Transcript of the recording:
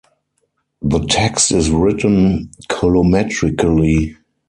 The text is written colometrically.